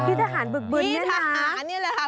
พี่ทหารบึกบึนเนี่ยนะพี่ทหารเนี่ยแหละค่ะ